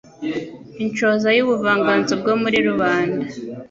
Inshoza y'ubuvanganzo bwo muri rubanda